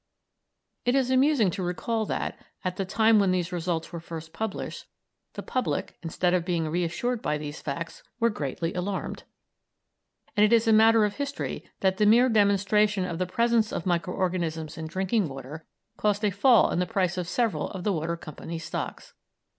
It is amusing to recall that, at the time when these results were first published, the public, instead of being reassured by these facts, were greatly alarmed, and it is a matter of history that the mere demonstration of the presence of micro organisms in drinking water caused a fall in the price of several of the water companies' stocks!